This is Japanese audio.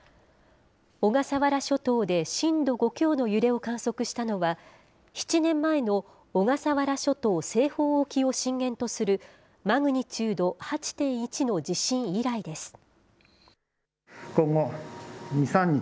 小笠原諸島で震度５強の揺れを観測したのは、７年前の小笠原諸島西方沖を震源とするマグニチュード８．１の地震以来です。